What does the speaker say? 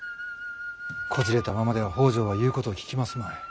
こじれたままでは北条は言うことを聞きますまい。